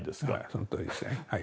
そのとおりですねはい。